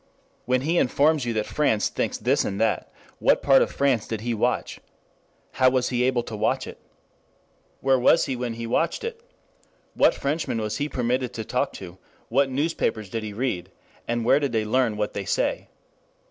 When he informs you that France thinks this and that, what part of France did he watch? How was he able to watch it? Where was he when he watched it? What Frenchmen was he permitted to talk to, what newspapers did he read, and where did they learn what they say?